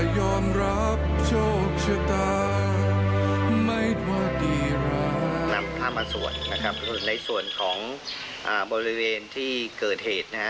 นำพระมสวดในส่วนของบริเวณที่เกิดเหตุ